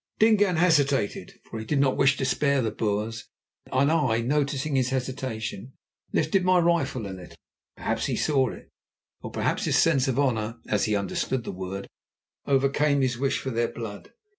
Dingaan hesitated, for he did not wish to spare the Boers, and I, noting his hesitation, lifted my rifle a little. Perhaps he saw it, or perhaps his sense of honour, as he understood the word, overcame his wish for their blood.